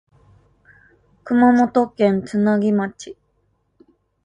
熊本県津奈木町